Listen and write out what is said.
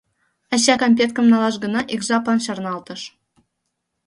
Ача кампеткым налаш гына ик жаплан чарналтыш.